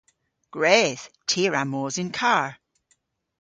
Gwredh! Ty a wra mos yn karr.